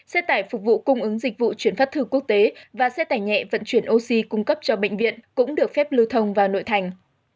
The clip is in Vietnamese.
xe tải phục vụ cung ứng dịch vụ chuyển phát thử quốc tế và xe tải nhẹ vận chuyển oxy cung cấp cho bệnh viện cũng được phép lưu thông vào nội thành